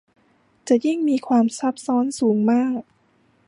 จะยิ่งมีความซับซ้อนสูงมาก